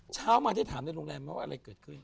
เช้ามาได้ถามในโรงแรมไหมว่าอะไรเกิดขึ้น